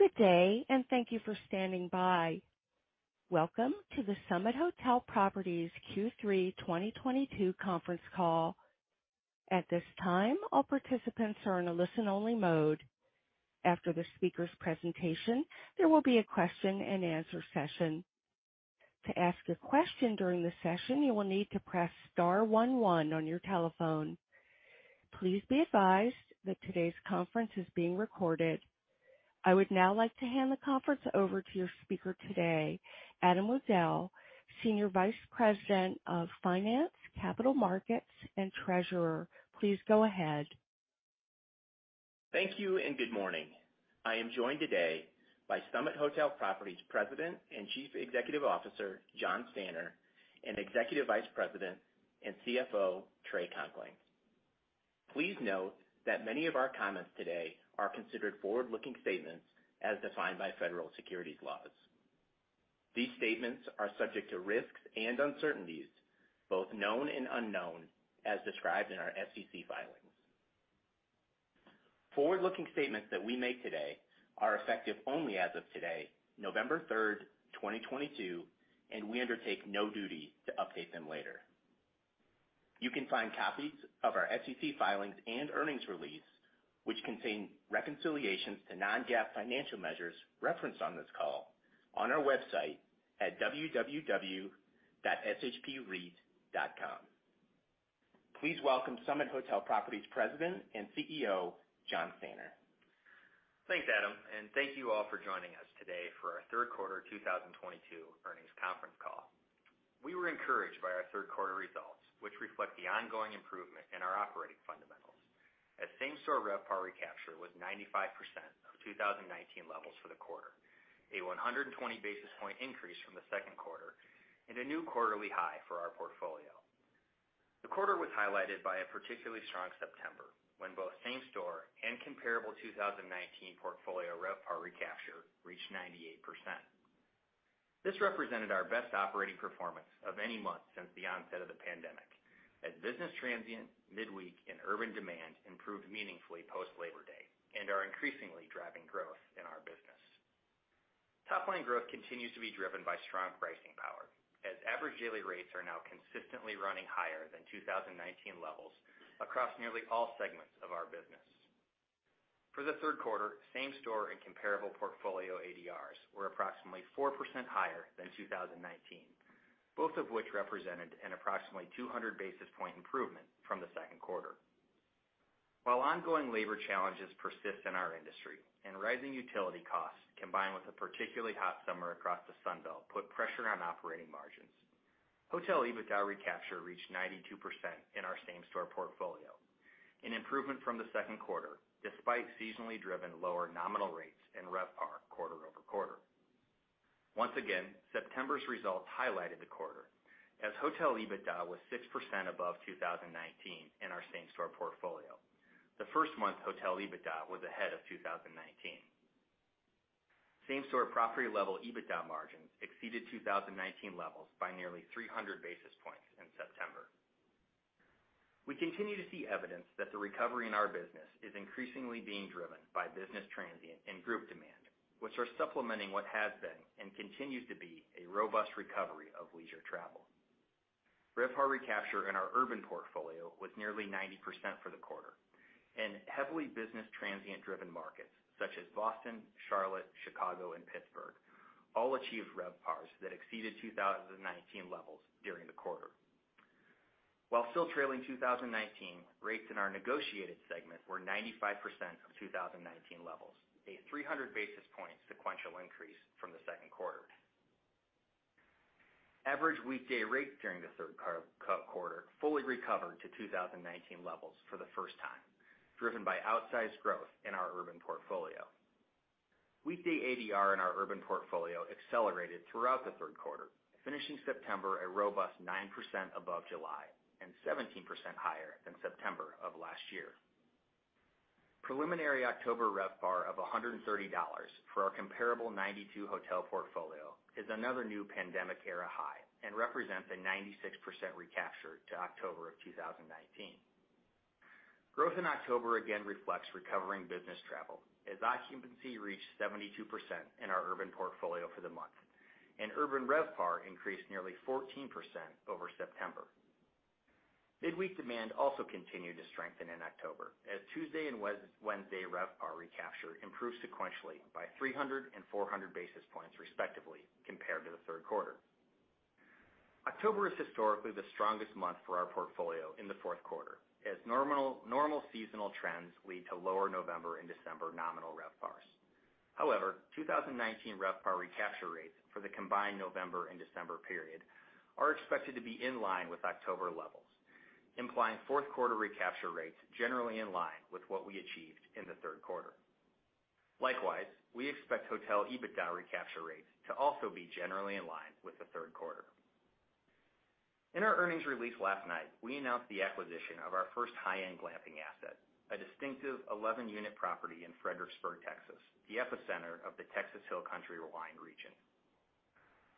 Good day, and thank you for standing by. Welcome to the Summit Hotel Properties Q3 2022 Conference Call. At this time, all participants are in a listen-only mode. After the speaker's presentation, there will be a question-and-answer session. To ask a question during the session, you will need to press star one one on your telephone. Please be advised that today's conference is being recorded. I would now like to hand the conference over to your speaker today, Adam Wudel, Senior Vice President of Finance, Capital Markets, and Treasurer. Please go ahead. Thank you and good morning. I am joined today by Summit Hotel Properties President and Chief Executive Officer, Jonathan Stanner, and Executive Vice President and CFO, Trey Conkling. Please note that many of our comments today are considered forward-looking statements as defined by federal securities laws. These statements are subject to risks and uncertainties, both known and unknown, as described in our SEC filings. Forward-looking statements that we make today are effective only as of today, November 3, 2022, and we undertake no duty to update them later. You can find copies of our SEC filings and earnings release, which contain reconciliations to non-GAAP financial measures referenced on this call on our website at www.shpreit.com. Please welcome Summit Hotel Properties President and CEO, Jonathan Stanner. Thanks, Adam, and thank you all for joining us today for our Third Quarter 2022 Earnings Conference Call. We were encouraged by our third quarter results, which reflect the ongoing improvement in our operating fundamentals as same-store RevPAR recapture was 95% of 2019 levels for the quarter, a 120 basis point increase from the second quarter and a new quarterly high for our portfolio. The quarter was highlighted by a particularly strong September, when both same-store and comparable 2019 portfolio RevPAR recapture reached 98%. This represented our best operating performance of any month since the onset of the pandemic, as business transient, midweek, and urban demand improved meaningfully post Labor Day and are increasingly driving growth in our business. Top-line growth continues to be driven by strong pricing power, as average daily rates are now consistently running higher than 2019 levels across nearly all segments of our business. For the third quarter, same-store and comparable portfolio ADRs were approximately 4% higher than 2019, both of which represented an approximately 200 basis point improvement from the second quarter. While ongoing labor challenges persist in our industry and rising utility costs, combined with a particularly hot summer across the Sun Belt, put pressure on operating margins. Hotel EBITDA recapture reached 92% in our same-store portfolio, an improvement from the second quarter, despite seasonally driven lower nominal rates in RevPAR quarter-over-quarter. Once again, September's results highlighted the quarter as hotel EBITDA was 6% above 2019 in our same-store portfolio. The first month hotel EBITDA was ahead of 2019. Same-store property level EBITDA margins exceeded 2019 levels by nearly 300 basis points in September. We continue to see evidence that the recovery in our business is increasingly being driven by business transient and group demand, which are supplementing what has been and continues to be a robust recovery of leisure travel. RevPAR recapture in our urban portfolio was nearly 90% for the quarter. In heavily business transient-driven markets such as Boston, Charlotte, Chicago, and Pittsburgh all achieved RevPARs that exceeded 2019 levels during the quarter. While still trailing 2019, rates in our negotiated segment were 95% of 2019 levels, a 300 basis point sequential increase from the second quarter. Average weekday rates during the third quarter fully recovered to 2019 levels for the first time, driven by outsized growth in our urban portfolio. Weekday ADR in our urban portfolio accelerated throughout the third quarter, finishing September a robust 9% above July and 17% higher than September of last year. Preliminary October RevPAR of $130 for our comparable 92-hotel portfolio is another new pandemic-era high and represents a 96% recapture to October 2019. Growth in October again reflects recovering business travel as occupancy reached 72% in our urban portfolio for the month, and urban RevPAR increased nearly 14% over September. Midweek demand also continued to strengthen in October, as Tuesday and Wednesday RevPAR recapture improved sequentially by 300 and 400 basis points, respectively, compared to the third quarter. October is historically the strongest month for our portfolio in the fourth quarter as normal seasonal trends lead to lower November and December nominal RevPARs. However, 2019 RevPAR recapture rates for the combined November and December period are expected to be in line with October levels, implying fourth quarter recapture rates generally in line with what we achieved in the third quarter. Likewise, we expect hotel EBITDA recapture rates to also be generally in line with the third quarter. In our earnings release last night, we announced the acquisition of our first high-end glamping asset, a distinctive 11-unit property in Fredericksburg, Texas, the epicenter of the Texas Hill Country wine region.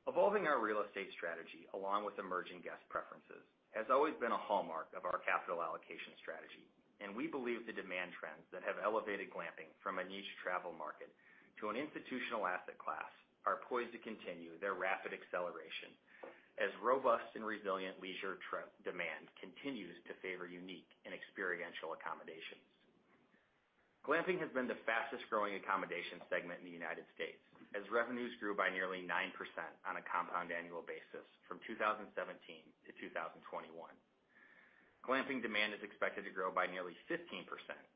Evolving our real estate strategy along with emerging guest preferences has always been a hallmark of our capital allocation strategy, and we believe the demand trends that have elevated glamping from a niche travel market to an institutional asset class are poised to continue their rapid acceleration as robust and resilient leisure trip demand continues to favor unique and experiential accommodations. Glamping has been the fastest-growing accommodation segment in the United States as revenues grew by nearly 9% on a compound annual basis from 2017 to 2021. Glamping demand is expected to grow by nearly 15%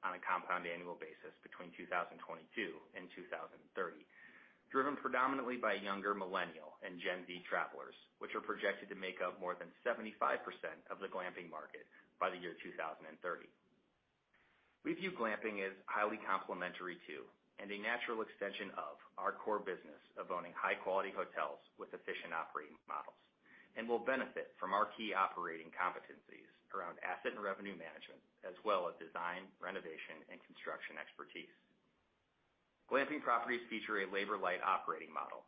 on a compound annual basis between 2022 and 2030, driven predominantly by younger millennial and Gen Z travelers, which are projected to make up more than 75% of the glamping market by the year 2030. We view glamping as highly complementary to, and a natural extension of, our core business of owning high-quality hotels with efficient operating models and will benefit from our key operating competencies around asset and revenue management as well as design, renovation, and construction expertise. Glamping properties feature a labor light operating model.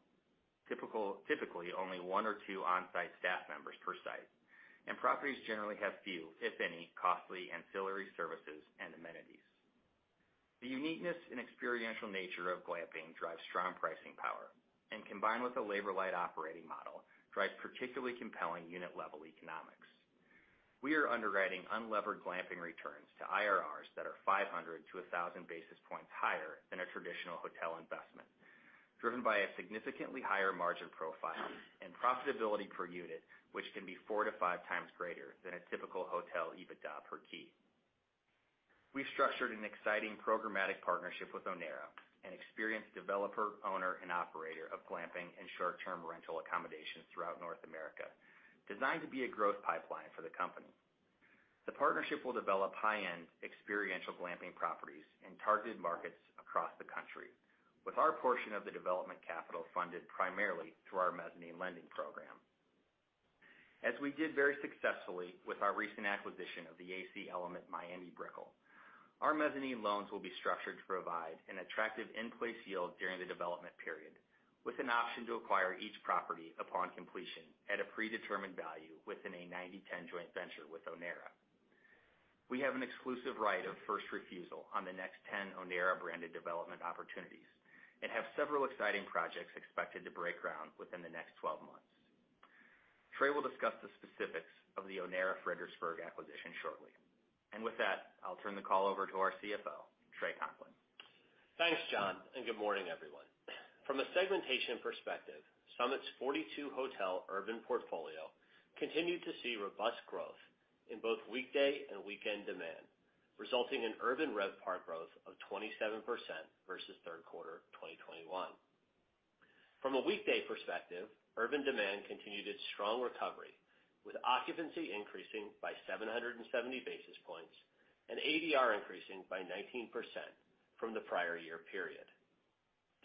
Typically, only one or two on-site staff members per site, and properties generally have few, if any, costly ancillary services and amenities. The uniqueness and experiential nature of glamping drives strong pricing power, and combined with a labor light operating model, drives particularly compelling unit-level economics. We are underwriting unlevered glamping returns to IRRs that are 500 to 1,000 basis points higher than a traditional hotel investment, driven by a significantly higher margin profile and profitability per unit, which can be 4x to 5x greater than a typical hotel EBITDA per key. We've structured an exciting programmatic partnership with Onera, an experienced developer, owner, and operator of glamping and short-term rental accommodations throughout North America, designed to be a growth pipeline for the company. The partnership will develop high-end experiential glamping properties in targeted markets across the country, with our portion of the development capital funded primarily through our mezzanine lending program. As we did very successfully with our recent acquisition of the AC Hotel and Element Miami Brickell, our mezzanine loans will be structured to provide an attractive in-place yield during the development period, with an option to acquire each property upon completion at a predetermined value within a 90/10 joint venture with Onera. We have an exclusive right of first refusal on the next 10 Onera-branded development opportunities and have several exciting projects expected to break ground within the next 12 months. Trey will discuss the specifics of the Onera Fredericksburg acquisition shortly. With that, I'll turn the call over to our CFO, Trey Conkling. Thanks, Jon, and good morning, everyone. From a segmentation perspective, Summit's 42 hotel urban portfolio continued to see robust growth in both weekday and weekend demand, resulting in urban RevPAR growth of 27% versus third quarter 2021. From a weekday perspective, urban demand continued its strong recovery, with occupancy increasing by 770 basis points and ADR increasing by 19% from the prior year period.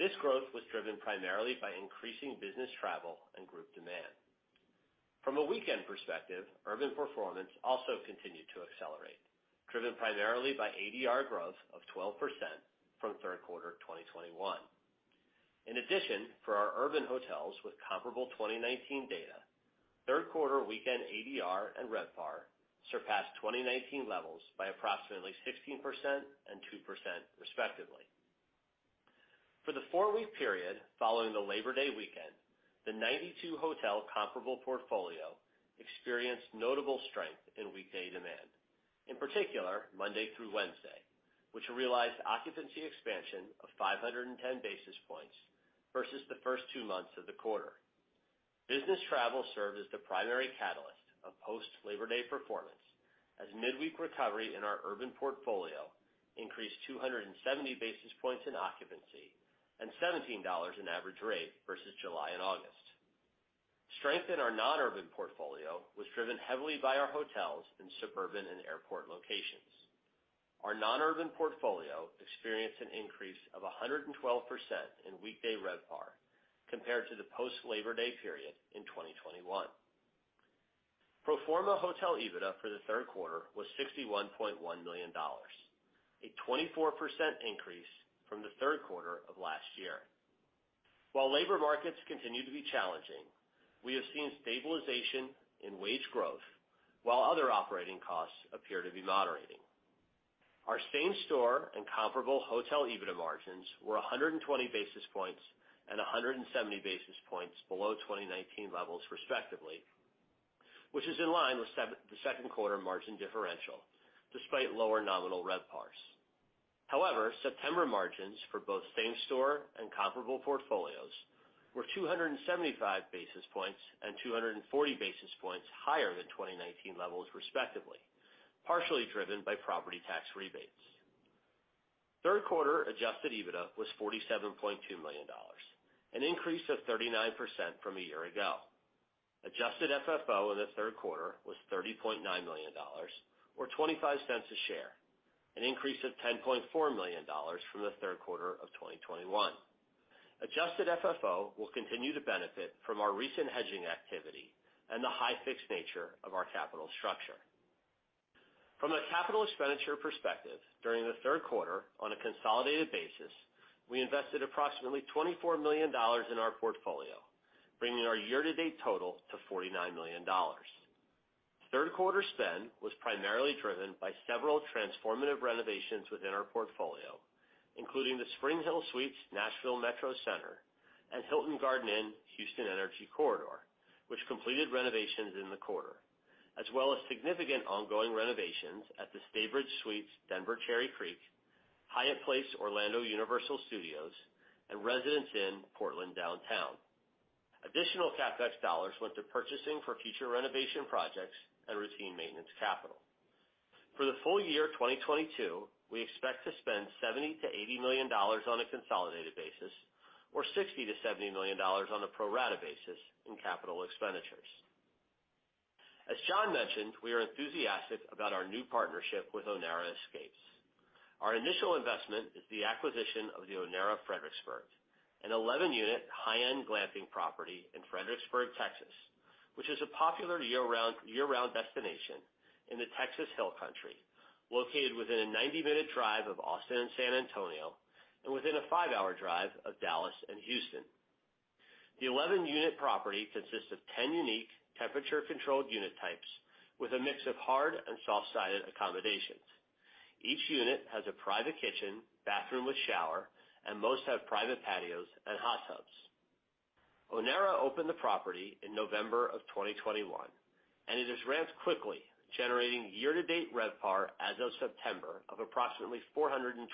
This growth was driven primarily by increasing business travel and group demand. From a weekend perspective, urban performance also continued to accelerate, driven primarily by ADR growth of 12% from third quarter 2021. In addition, for our urban hotels with comparable 2019 data, third quarter weekend ADR and RevPAR surpassed 2019 levels by approximately 16% and 2%, respectively. For the four-week period following the Labor Day weekend, the 92 hotel comparable portfolio experienced notable strength in weekday demand, in particular Monday through Wednesday, which realized occupancy expansion of 510 basis points versus the first two months of the quarter. Business travel served as the primary catalyst of post-Labor Day performance as midweek recovery in our urban portfolio increased 270 basis points in occupancy and $17 in average rate versus July and August. Strength in our non-urban portfolio was driven heavily by our hotels in suburban and airport locations. Our non-urban portfolio experienced an increase of 112% in weekday RevPAR compared to the post-Labor Day period in 2021. Pro forma hotel EBITDA for the third quarter was $61.1 million, a 24% increase from the third quarter of last year. While labor markets continue to be challenging, we have seen stabilization in wage growth while other operating costs appear to be moderating. Our same-store and comparable hotel EBITDA margins were 120 basis points and 170 basis points below 2019 levels, respectively, which is in line with the second quarter margin differential despite lower nominal RevPARs. However, September margins for both same-store and comparable portfolios were 275 basis points and 240 basis points higher than 2019 levels, respectively, partially driven by property tax rebates. Third quarter adjusted EBITDA was $47.2 million, an increase of 39% from a year ago. Adjusted FFO in the third quarter was $30.9 million, or $0.25 a share, an increase of $10.4 million from the third quarter of 2021. Adjusted FFO will continue to benefit from our recent hedging activity and the high fixed nature of our capital structure. From a capital expenditure perspective, during the third quarter, on a consolidated basis, we invested approximately $24 million in our portfolio, bringing our year-to-date total to $49 million. Third quarter spend was primarily driven by several transformative renovations within our portfolio, including the SpringHill Suites, Nashville Metro Center, and Hilton Garden Inn, Houston Energy Corridor, which completed renovations in the quarter, as well as significant ongoing renovations at the Staybridge Suites, Denver Cherry Creek, Hyatt Place, Orlando Universal Studios, and Residence Inn Portland Downtown. Additional CapEx dollars went to purchasing for future renovation projects and routine maintenance capital. For the full year 2022, we expect to spend $70 to $80 million on a consolidated basis, or $60 to $70 million on a pro rata basis in capital expenditures. As Jon mentioned, we are enthusiastic about our new partnership with Onera Escapes. Our initial investment is the acquisition of the Onera Fredericksburg, an 11-unit high-end glamping property in Fredericksburg, Texas, which is a popular year-round destination in the Texas Hill Country, located within a 90-minute drive of Austin and San Antonio, and within a five-hour drive of Dallas and Houston. The 11-unit property consists of 10 unique temperature-controlled unit types with a mix of hard and soft-sided accommodations. Each unit has a private kitchen, bathroom with shower, and most have private patios and hot tubs. Onera opened the property in November 2021, and it has ramped quickly, generating year-to-date RevPAR as of September of approximately $425.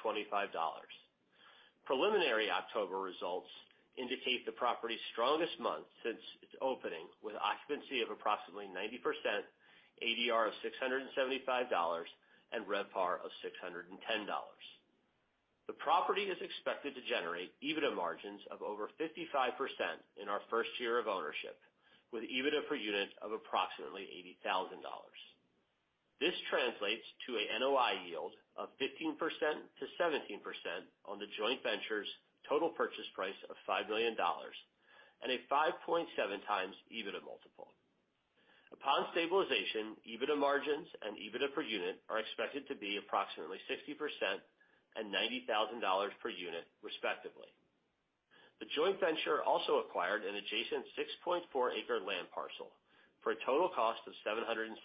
Preliminary October results indicate the property's strongest month since its opening, with occupancy of approximately 90% ADR of $675 and RevPAR of $610. The property is expected to generate EBITDA margins of over 55% in our first year of ownership, with EBITDA per unit of approximately $80,000. This translates to a NOI yield of 15% to 17% on the joint venture's total purchase price of $5 million and a 5.7x EBITDA multiple. Upon stabilization, EBITDA margins and EBITDA per unit are expected to be approximately 60% and $90,000 per unit, respectively. The joint venture also acquired an adjacent 6.4-acre land parcel for a total cost of $770,000,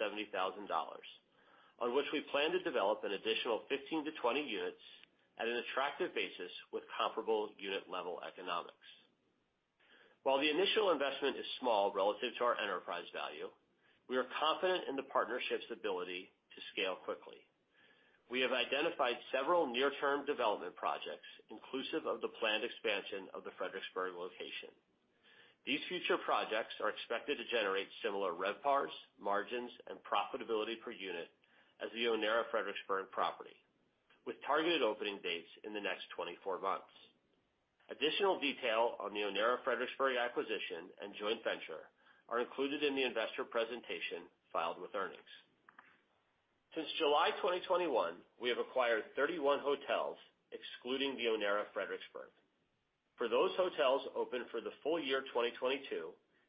on which we plan to develop an additional 15 to 20 units at an attractive basis with comparable unit level economics. While the initial investment is small relative to our enterprise value, we are confident in the partnership's ability to scale quickly. We have identified several near-term development projects inclusive of the planned expansion of the Fredericksburg location. These future projects are expected to generate similar RevPARs, margins, and profitability per unit as the Onera Fredericksburg property, with targeted opening dates in the next 24 months. Additional detail on the Onera Fredericksburg acquisition and joint venture are included in the investor presentation filed with earnings. Since July 2021, we have acquired 31 hotels, excluding the Onera Fredericksburg. For those hotels open for the full year 2022,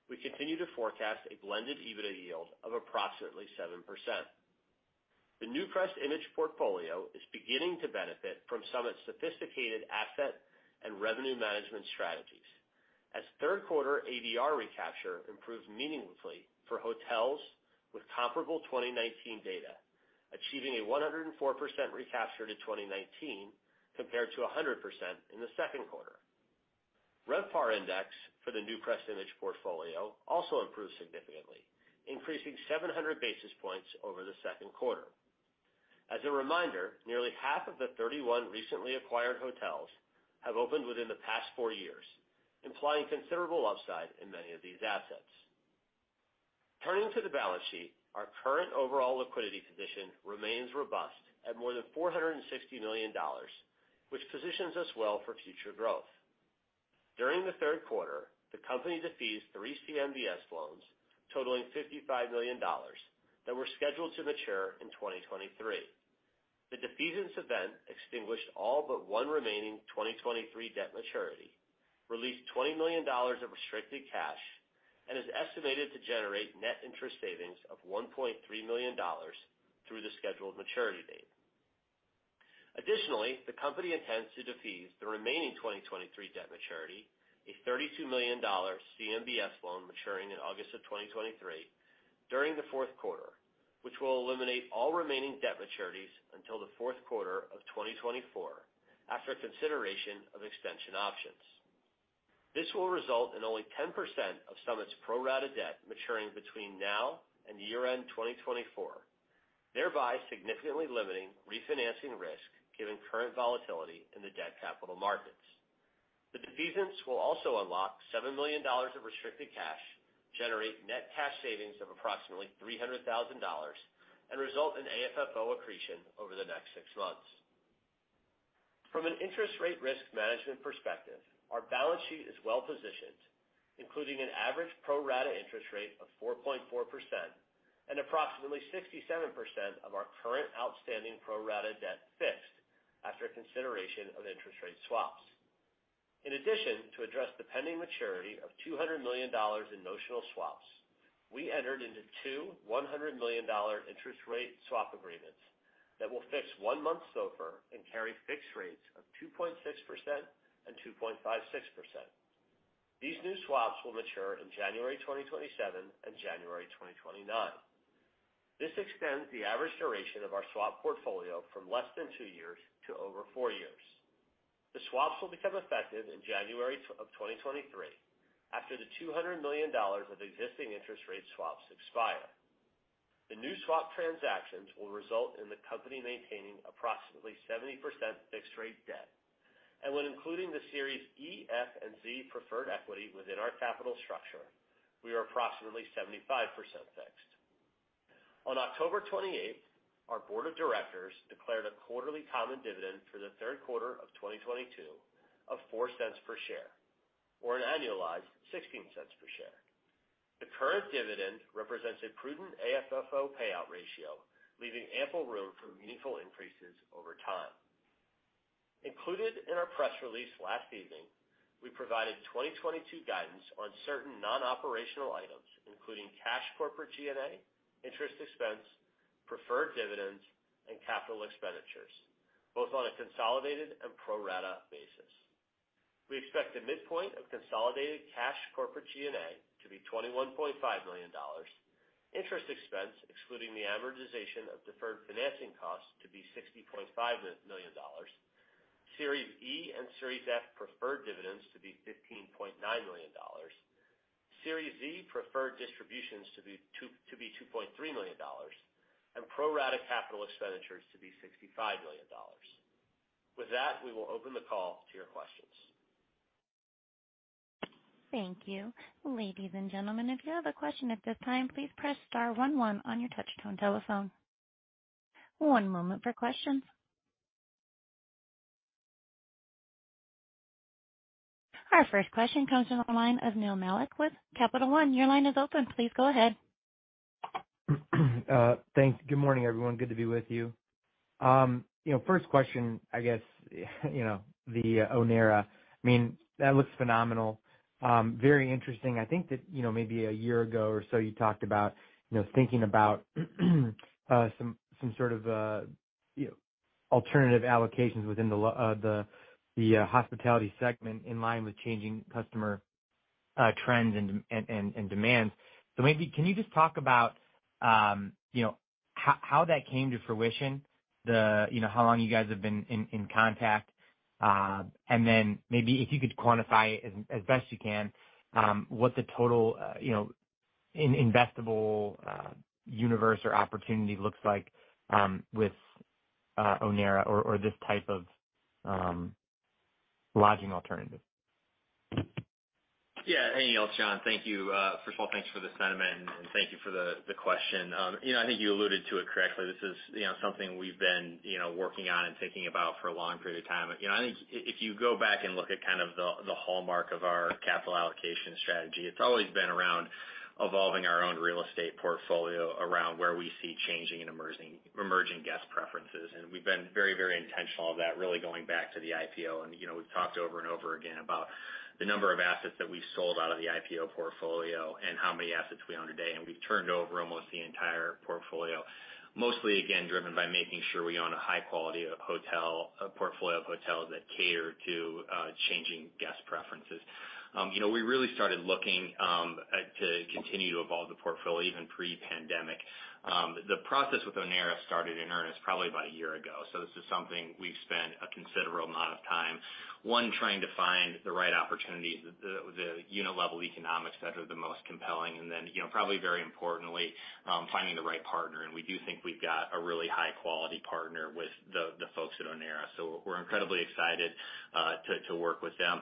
we continue to forecast a blended EBITDA yield of approximately 7%. The NewcrestImage portfolio is beginning to benefit from Summit's sophisticated asset and revenue management strategies as third quarter ADR recapture improved meaningfully for hotels with comparable 2019 data, achieving a 104% recapture to 2019 compared to 100% in the second quarter. RevPAR Index for the NewcrestImage portfolio also improved significantly, increasing 700 basis points over the second quarter. As a reminder, nearly half of the 31 recently acquired hotels have opened within the past four years, implying considerable upside in many of these assets. Turning to the balance sheet, our current overall liquidity position remains robust at more than $460 million, which positions us well for future growth. During the third quarter, the company defeased three CMBS loans totaling $55 million that were scheduled to mature in 2023. The defeasance event extinguished all but one remaining 2023 debt maturity, released $20 million of restricted cash, and is estimated to generate net interest savings of $1.3 million through the scheduled maturity date. Additionally, the company intends to defease the remaining 2023 debt maturity, a $32 million CMBS loan maturing in August 2023 during the fourth quarter, which will eliminate all remaining debt maturities until the fourth quarter of 2024, after consideration of extension options. This will result in only 10% of Summit's pro rata debt maturing between now and year-end 2024, thereby significantly limiting refinancing risk, given current volatility in the debt capital markets. The defeasance will also unlock $7 million of restricted cash, generate net cash savings of approximately $300,000, and result in AFFO accretion over the next six months. From an interest rate risk management perspective, our balance sheet is well positioned, including an average pro rata interest rate of 4.4% and approximately 67% of our current outstanding pro rata debt-fixed. Our consideration of interest rate swaps. In addition, to address the pending maturity of $200 million in notional swaps, we entered into two $100 million interest rate swap agreements that will fix one month SOFR and carry fixed rates of 2.6% and 2.56%. These new swaps will mature in January 2027 and January 2029. This extends the average duration of our swap portfolio from less than two years to over four years. The swaps will become effective in January 2023 after the $200 million of existing interest rate swaps expire. The new swap transactions will result in the company maintaining approximately 70% fixed rate debt. When including the Series E, F, and Z preferred equity within our capital structure, we are approximately 75% fixed. On October 28th, our board of directors declared a quarterly common dividend for the third quarter of 2022 of $0.04 per share, or an annualized $0.16 per share. The current dividend represents a prudent AFFO payout ratio, leaving ample room for meaningful increases over time. Included in our press release last evening, we provided 2022 guidance on certain non-operational items, including cash corporate G&A, interest expense, preferred dividends, and capital expenditures, both on a consolidated and pro rata basis. We expect the midpoint of consolidated cash corporate G&A to be $21.5 million, interest expense, excluding the amortization of deferred financing costs, to be $60.5 million, Series E and Series F preferred dividends to be $15.9 million, Series Z preferred distributions to be $2.3 million, and pro rata capital expenditures to be $65 million. With that, we will open the call to your questions. Thank you. Ladies and gentlemen, if you have a question at this time, please press star one one on your touchtone telephone. One moment for questions. Our first question comes from the line of Neil Malik with Capital One. Your line is open. Please go ahead. Thanks. Good morning, everyone. Good to be with you. You know, first question, I guess, you know, the Onera. I mean, that looks phenomenal. Very interesting. I think that, you know, maybe a year ago or so, you talked about, you know, thinking about some sort of alternative allocations within the hospitality segment in line with changing customer trends and demands. Maybe can you just talk about, you know, how that came to fruition, the, you know, how long you guys have been in contact? And then maybe if you could quantify as best you can, what the total, you know, investable universe or opportunity looks like, with Onera or this type of lodging alternative. Yeah. Hey, Neil. It's Jon. Thank you. First of all, thanks for the sentiment, and thank you for the question. You know, I think you alluded to it correctly. This is, you know, something we've been, you know, working on and thinking about for a long period of time. You know, I think if you go back and look at kind of the hallmark of our capital allocation strategy, it's always been around evolving our own real estate portfolio around where we see changing and emerging guest preferences. We've been very, very intentional of that, really going back to the IPO. You know, we've talked over and over again about the number of assets that we sold out of the IPO portfolio and how many assets we own today. We've turned over almost the entire portfolio, mostly again, driven by making sure we own a high quality portfolio of hotels that cater to changing guest preferences. You know, we really started looking to continue to evolve the portfolio even pre-pandemic. The process with Onera started in earnest probably about a year ago. This is something we've spent a considerable amount of time, one, trying to find the right opportunities, the unit level economics that are the most compelling, and then, you know, probably very importantly, finding the right partner. We do think we've got a really high-quality partner with the folks at Onera. We're incredibly excited to work with them.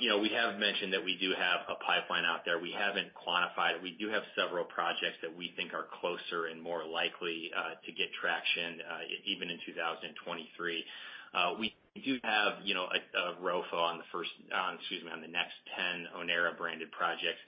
You know, we have mentioned that we do have a pipeline out there. We haven't quantified. We do have several projects that we think are closer and more likely to get traction even in 2023. We do have, you know, a ROFO on the next 10 Onera-branded projects.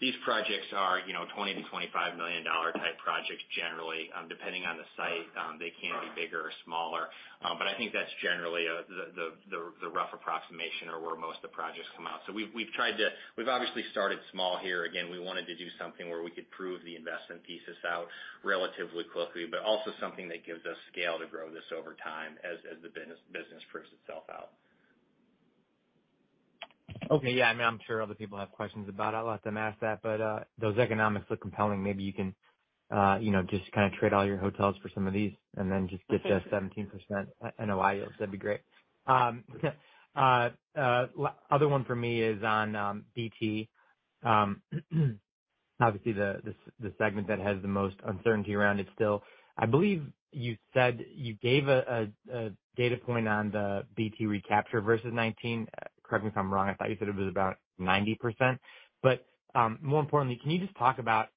These projects are, you know, $20 million to $25 million type projects generally. Depending on the site, they can be bigger or smaller. But I think that's generally the rough approximation or where most of the projects come out. We've obviously started small here. Again, we wanted to do something where we could prove the investment thesis out relatively quickly, but also something that gives us scale to grow this over time as the business proves itself out. Okay. Yeah. I mean, I'm sure other people have questions about it. I'll let them ask that. But those economics look compelling. Maybe you can you know just kinda trade all your hotels for some of these and then just get the 17% NOI. That'd be great. Other one for me is on BT. Obviously, the segment that has the most uncertainty around it still. I believe you said you gave a data point on the BT recapture versus 2019. Correct me if I'm wrong. I thought you said it was about 90%. But more importantly, can you just talk about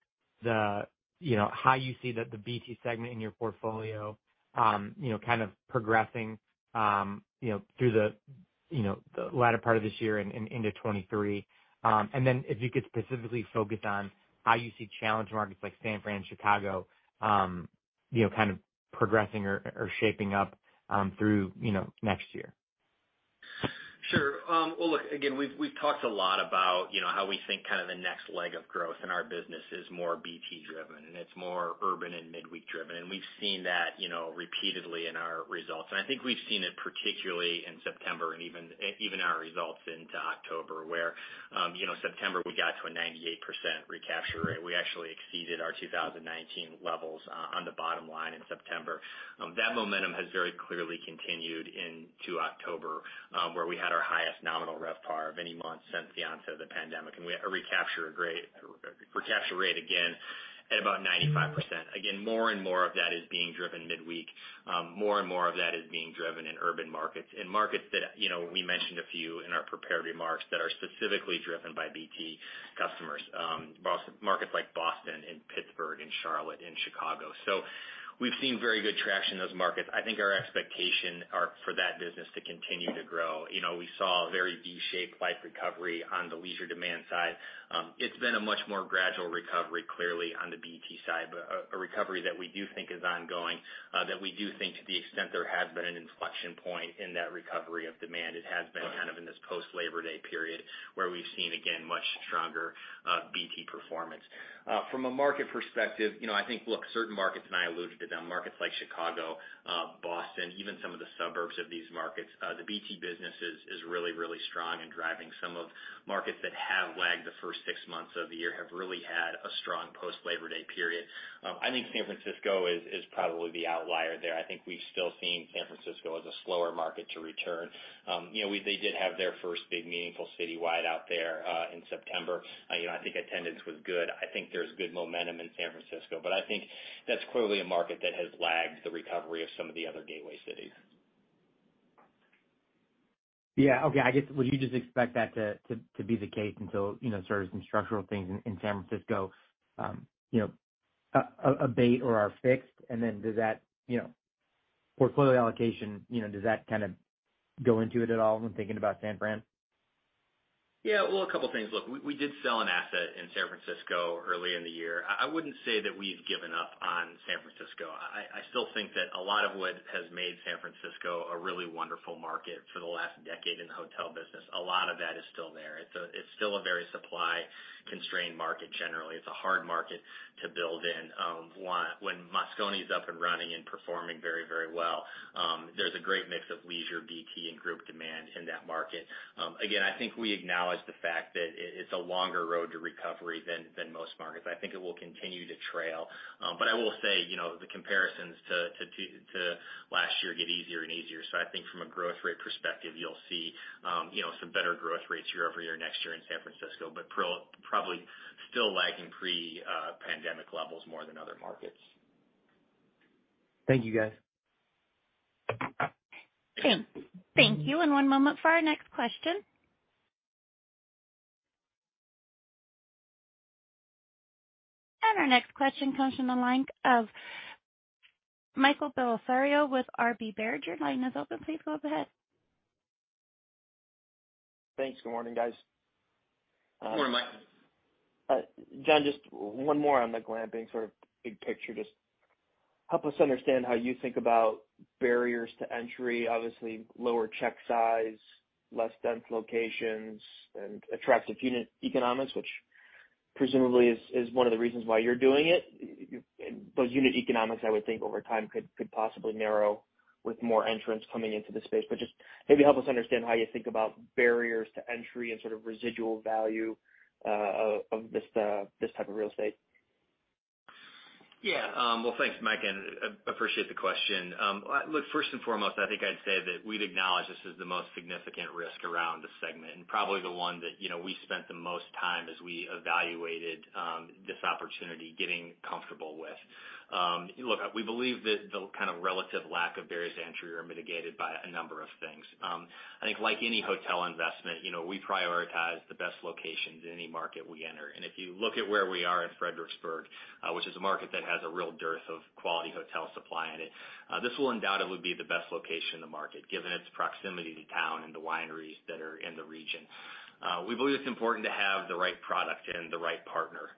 you know how you see the BT segment in your portfolio you know kind of progressing you know through you know the latter part of this year and into 2023. If you could specifically focus on how you see challenge markets like San Fran, Chicago, you know, kind of progressing or shaping up through, you know, next year. Sure. Well, look, again, we've talked a lot about, you know, how we think kind of the next leg of growth in our business is more BT driven, and it's more urban and midweek driven. We've seen that, you know, repeatedly in our results. I think we've seen it particularly in September and even our results into October, where, you know, September, we got to a 98% recapture rate. We actually exceeded our 2019 levels on the bottom line in September. That momentum has very clearly continued into October, where we had our highest nominal RevPAR of any month since the onset of the pandemic. We had a recapture rate again at about 95%. More and more of that is being driven midweek. More and more of that is being driven in urban markets, in markets that, you know, we mentioned a few in our prepared remarks that are specifically driven by BT customers, business markets like Boston and Pittsburgh and Charlotte and Chicago. We've seen very good traction in those markets. I think our expectations are for that business to continue to grow. You know, we saw a very V-shaped, like recovery on the leisure demand side. It's been a much more gradual recovery, clearly on the BT side. But a recovery that we do think is ongoing, that we do think to the extent there has been an inflection point in that recovery of demand. It has been kind- of in this post Labor Day period where we've seen, again, much stronger, BT performance. From a market perspective, you know, I think look, certain markets, and I alluded to them, markets like Chicago, Boston, even some of the suburbs of these markets, the BT business is really strong in driving some of markets that have lagged the first six months of the year have really had a strong post-Labor Day period. I think San Francisco is probably the outlier there. I think we've still seen San Francisco as a slower market to return. You know, they did have their first big meaningful citywide out there in September. You know, I think attendance was good. I think there's good momentum in San Francisco. I think that's clearly a market that has lagged the recovery of some of the other gateway cities. Yeah. Okay. I guess, would you just expect that to be the case until, you know, sort of some structural things in San Francisco, you know, abate or are fixed? Does that, you know, portfolio allocation, you know, does that kind of go into it at all when thinking about San Fran? Yeah. Well, a couple things. Look, we did sell an asset in San Francisco early in the year. I wouldn't say that we've given up on San Francisco. I still think that a lot of what has made San Francisco a really wonderful market for the last decade in the hotel business, a lot of that is still there. It's still a very supply-constrained market generally. It's a hard market to build in. When Moscone is up and running and performing very, very well, there's a great mix of leisure, BT, and group demand in that market. Again, I think we acknowledge the fact that it's a longer road to recovery than most markets. I think it will continue to trail. I will say, you know, the comparisons to last year get easier and easier. I think from a growth rate perspective, you'll see, you know, some better growth rates year-over-year next year in San Francisco, but probably still lagging pre-pandemic levels more than other markets. Thank you, guys. Thank you. One moment for our next question. Our next question comes from the line of Michael Bellisario with Baird. Your line is open. Please go ahead. Thanks. Good morning, guys. Good morning, Mike. Jon, just one more on the glamping sort of big picture. Just help us understand how you think about barriers to entry, obviously lower check size, less dense locations, and attractive unit economics, which presumably is one of the reasons why you're doing it. Those unit economics, I would think over time could possibly narrow with more entrants coming into the space. Just maybe help us understand how you think about barriers to entry and sort of residual value of this type of real estate. Yeah. Well, thanks, Mike, and appreciate the question. Look, first and foremost, I think I'd say that we'd acknowledge this is the most significant risk around the segment, and probably the one that, you know, we spent the most time as we evaluated this opportunity getting comfortable with. Look, we believe that the kind of relative lack of barriers to entry are mitigated by a number of things. I think like any hotel investment, you know, we prioritize the best locations in any market we enter. If you look at where we are in Fredericksburg, which is a market that has a real dearth of quality hotel supply in it, this will undoubtedly be the best location in the market, given its proximity to town and the wineries that are in the region. We believe it's important to have the right product and the right partner.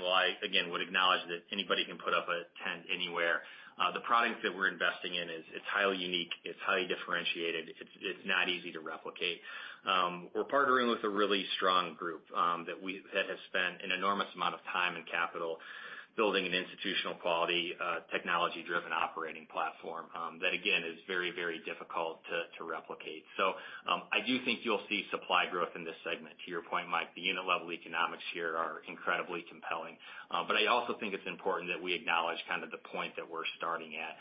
While I again would acknowledge that anybody can put up a tent anywhere, the product that we're investing in is, it's highly unique, it's highly differentiated. It's not easy to replicate. We're partnering with a really strong group that has spent an enormous amount of time and capital building an institutional quality technology-driven operating platform that again is very, very difficult to replicate. I do think you'll see supply growth in this segment. To your point, Mike, the unit level economics here are incredibly compelling. I also think it's important that we acknowledge kind of the point that we're starting at.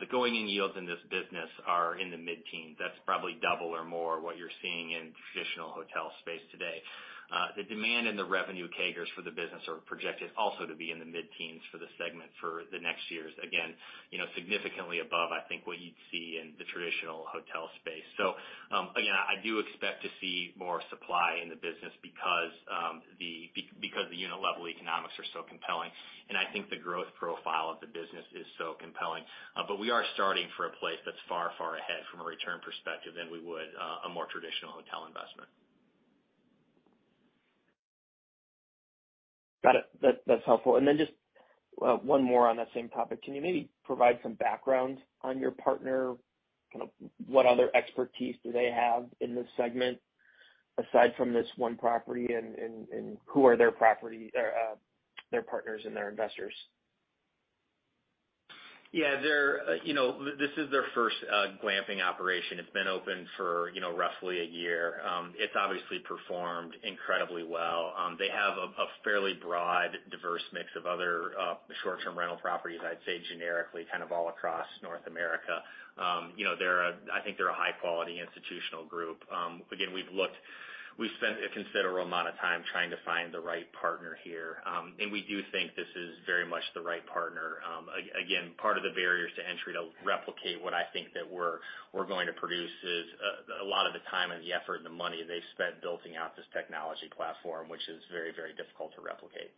The going in yields in this business are in the mid-teens. That's probably double or more what you're seeing in traditional hotel space today. The demand and the revenue CAGRs for the business are projected also to be in the mid-teens for the segment for the next years. Again, you know, significantly above, I think, what you'd see in the traditional hotel space. Again, I do see more supply in the business because the unit level economics are so compelling, and I think the growth profile of the business is so compelling. We are starting from a place that's far, far ahead from a return perspective than we would for a more traditional hotel investment. Got it. That's helpful. Just one more on that same topic. Can you maybe provide some background on your partner? Kind of what other expertise do they have in this segment aside from this one property and who are their partners and their investors? Yeah. This is their first glamping operation. It's been open for roughly a year. It's obviously performed incredibly well. They have a fairly broad, diverse mix of other short-term rental properties, I'd say generically kind of all across North America. I think they're a high quality institutional group. Again, we've looked, we've spent a considerable amount of time trying to find the right partner here. We do think this is very much the right partner. Again, part of the barriers to entry to replicate what I think that we're going to produce is a lot of the time and the effort and the money they've spent building out this technology platform, which is very, very difficult to replicate.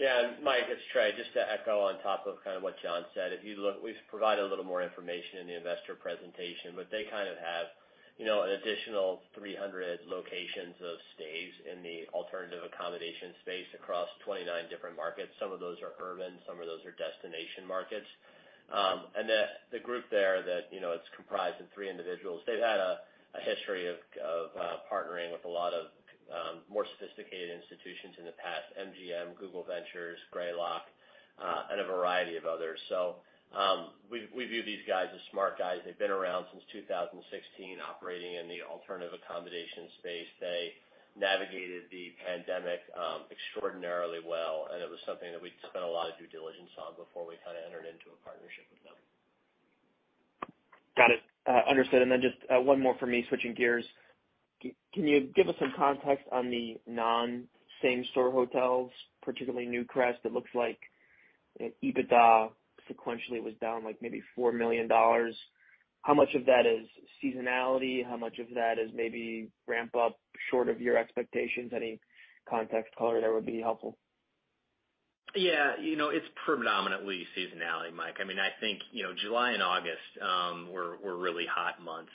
Yeah. Mike, it's Trey. Just to echo on top of kind of what Jon said, if you look, we've provided a little more information in the investor presentation, but they kind of have, you know, an additional 300 locations of stays in the alternative accommodation space across 29 different markets. Some of those are urban, some of those are destination markets. The group there that, you know, it's comprised of three individuals. They've had a history of partnering with a lot of more sophisticated institutions in the past, MGM, Google Ventures, Greylock, and a variety of others. We view these guys as smart guys. They've been around since 2016 operating in the alternative accommodation space. They navigated the pandemic extraordinarily well, and it was something that we'd spent a lot of due diligence on before we kind of entered into a partnership with them. Got it. Understood. Then just one more for me, switching gears. Can you give us some context on the non-same store hotels, particularly NewcrestImage? It looks like EBITDA sequentially was down like maybe $4 million. How much of that is seasonality? How much of that is maybe ramp up short of your expectations? Any context color there would be helpful. Yeah. You know, it's predominantly seasonality, Mike. I mean, I think, you know, July and August were really hot months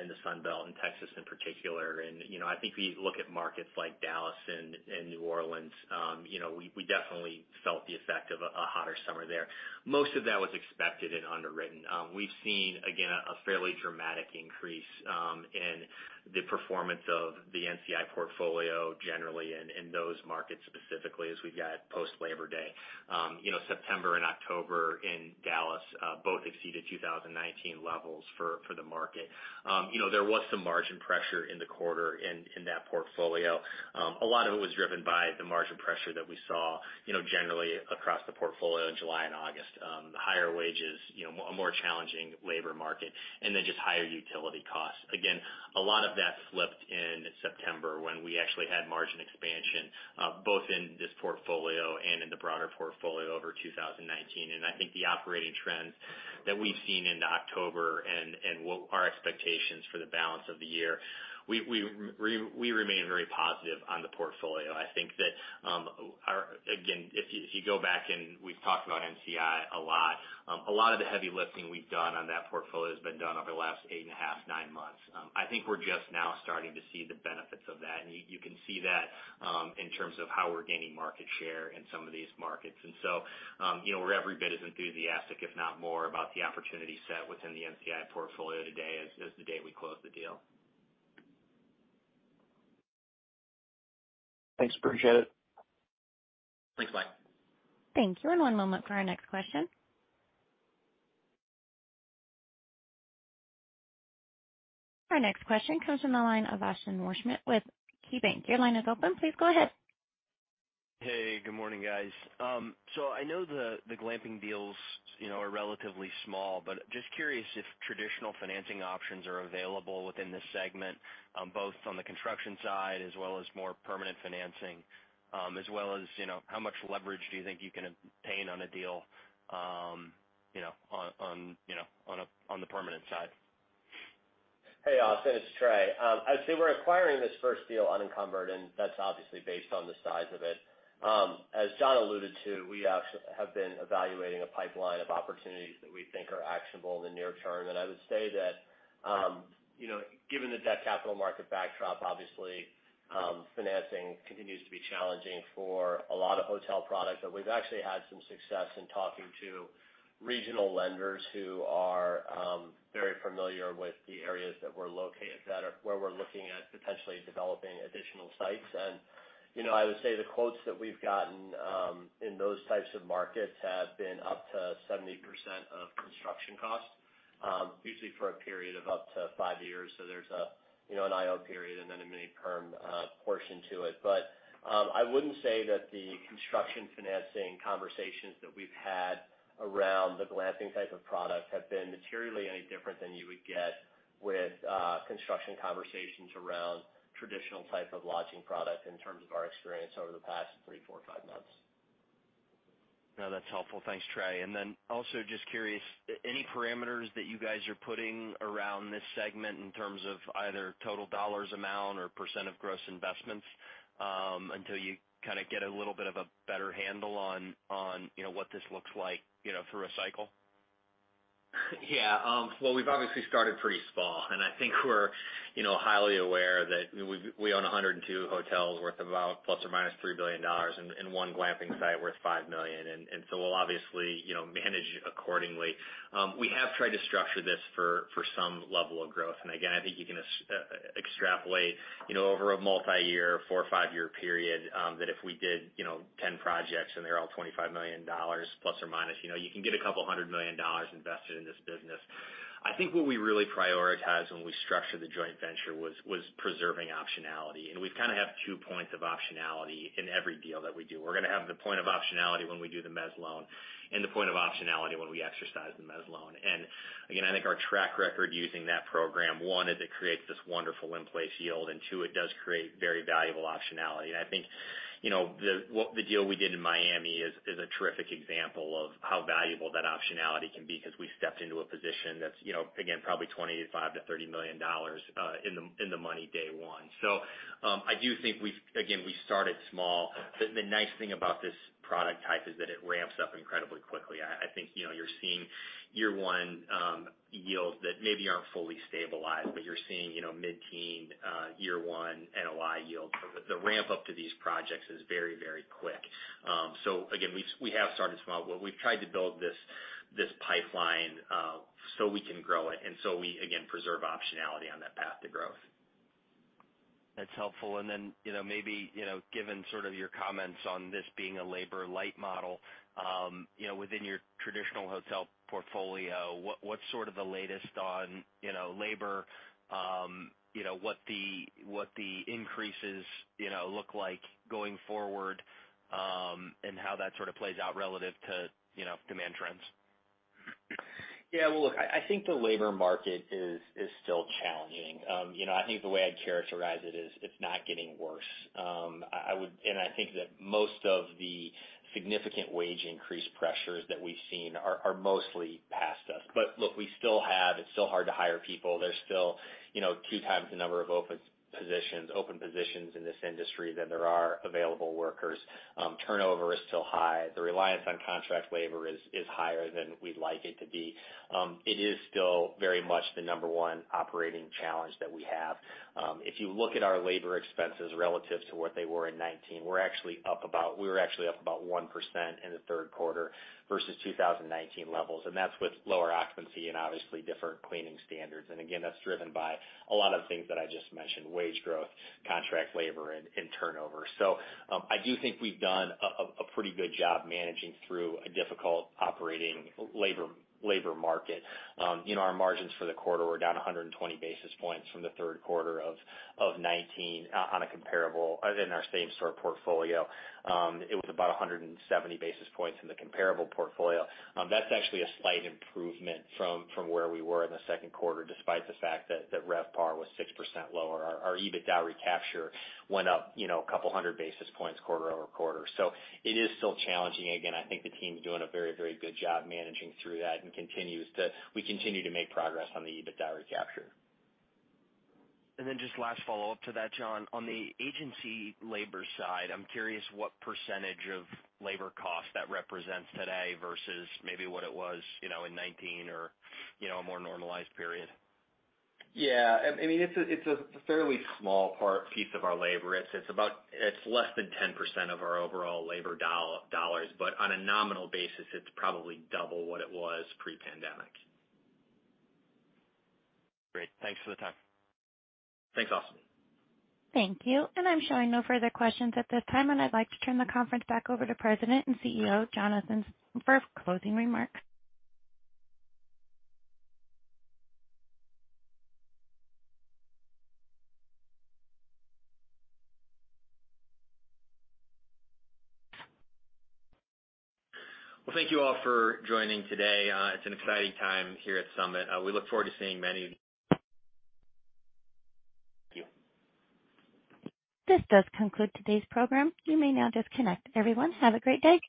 in the Sun Belt in Texas in particular. You know, I think we look at markets like Dallas and New Orleans, you know, we definitely felt the effect of a hotter summer there. Most of that was expected and underwritten. We've seen, again, a fairly dramatic increase in the performance of the NCI portfolio generally and in those markets specifically as we've got post Labor Day. You know, September and October in Dallas both exceeded 2019 levels for the market. You know, there was some margin pressure in the quarter in that portfolio. A lot of it was driven by the margin pressure that we saw, you know, generally across the portfolio in July and August. Higher wages, you know, a more challenging labor market and then just higher utility costs. Again, a lot of that flipped in September when we actually had margin expansion, both in this portfolio and in the broader portfolio over 2019. I think the operating trends that we've seen into October and what our expectations for the balance of the year, we remain very positive on the portfolio. I think that, our again, if you go back and we've talked about NCI a lot, a lot of the heavy lifting we've done on that portfolio has been done over the last eight and a half, nine months. I think we're just now starting to see the benefits of that. You can see that in terms of how we're gaining market share in some of these markets. You know, we're every bit as enthusiastic, if not more, about the opportunity set within the NCI portfolio today as the day we closed the deal. Thanks, appreciate it. Thanks, Mike. Thank you. One moment for our next question. Our next question comes from the line of Austin Wurschmidt with KeyBanc. Your line is open. Please go ahead. Hey, good morning, guys. So I know the glamping deals, you know, are relatively small, but just curious if traditional financing options are available within this segment, both on the construction side as well as more permanent financing, as well as, you know, how much leverage do you think you can obtain on a deal, you know, on the permanent side? Hey, Austin, it's Trey. I'd say we're acquiring this first deal unencumbered, and that's obviously based on the size of it. As Jon alluded to, we have been evaluating a pipeline of opportunities that we think are actionable in the near term. I would say that, you know, given the debt capital market backdrop, obviously, financing continues to be challenging for a lot of hotel products. We've actually had some success in talking to regional lenders who are very familiar with the areas that we're located where we're looking at potentially developing additional sites. You know, I would say the quotes that we've gotten in those types of markets have been up to 70% of construction costs, usually for a period of up to five years. There's, you know, an IO period and then a mini perm portion to it. I wouldn't say that the construction financing conversations that we've had around the glamping type of product have been materially any different than you would get with construction conversations around traditional type of lodging product in terms of our experience over the past three, four, five months. No, that's helpful. Thanks, Trey. Also just curious, any parameters that you guys are putting around this segment in terms of either total dollar amount or percent of gross investments, until you kind of get a little bit of a better handle on, you know, what this looks like, you know, through a cycle? Yeah. Well, we've obviously started pretty small, and I think we're, you know, highly aware that we own 102 hotels worth about ±$3 billion and one glamping site worth $5 million. So we'll obviously, you know, manage accordingly. We have tried to structure this for some level of growth. Again, I think you can extrapolate, you know, over a multiyear four or five-year period, that if we did, you know, 10 projects and they're all $25 million plus or minus, you know, you can get $200 million invested in this business. I think what we really prioritized when we structured the joint venture was preserving optionality. We kind of have two points of optionality in every deal that we do. We're gonna have the point of optionality when we do the mezz loan and the point of optionality when we exercise the mezz loan. Again, I think our track record using that program, one is it creates this wonderful in-place yield, and two, it does create very valuable optionality. I think, you know, the deal we did in Miami is a terrific example of how valuable that optionality can be because we stepped into a position that's, you know, again, probably $25 million to $30 million in the money day one. I do think again, we started small. The nice thing about this product type is that it ramps up incredibly quickly. I think, you know, you're seeing year one yields that maybe aren't fully stabilized, but you're seeing, you know, mid-teen year one NOI yield. The ramp-up to these projects is very, very quick. So again, we have started small. We've tried to build this pipeline, so we can grow it and so we again preserve optionality on that path to growth. That's helpful. Then you know, maybe you know, given sort of your comments on this being a labor-light model, you know, within your traditional hotel portfolio, what's sort of the latest on you know, labor? You know, what the increases you know, look like going forward, and how that sort of plays out relative to you know, demand trends? Yeah. Well, look, I think the labor market is still challenging. You know, I think the way I'd characterize it is it's not getting worse. I think that most of the significant wage increase pressures that we've seen are mostly past us. But look, we still have. It's still hard to hire people. There's still, you know, two times the number of open positions in this industry than there are available workers. Turnover is still high. The reliance on contract labor is higher than we'd like it to be. It is still very much the number one operating challenge that we have. If you look at our labor expenses relative to what they were in 2019, we were actually up about 1% in the third quarter versus 2019 levels, and that's with lower occupancy and obviously different cleaning standards. Again, that's driven by a lot of things that I just mentioned: wage growth, contract labor, and turnover. I do think we've done a pretty good job managing through a difficult operating labor market. You know, our margins for the quarter were down 120 basis points from the third quarter of 2019 on a comparable in our same-store portfolio. It was about 170 basis points in the comparable portfolio. That's actually a slight improvement from where we were in the second quarter, despite the fact that RevPAR was 6% lower. Our EBITDA recapture went up, you know, a couple hundred basis points quarter-over-quarter. It is still challenging. Again, I think the team's doing a very, very good job managing through that and we continue to make progress on the EBITDA recapture. Just last follow-up to that, Jon. On the agency labor side, I'm curious what percentage of labor costs that represents today versus maybe what it was, you know, in 2019 or, you know, a more normalized period. Yeah. I mean, it's a fairly small part, piece of our labor. It's less than 10% of our overall labor dollars, but on a nominal basis, it's probably double what it was pre-pandemic. Great. Thanks for the time. Thanks, Austin. Thank you. I'm showing no further questions at this time, and I'd like to turn the conference back over to President and CEO, Jonathan for closing remarks. Well, thank you all for joining today. It's an exciting time here at Summit. We look forward to seeing many. This does conclude today's program. You may now disconnect. Everyone, have a great day.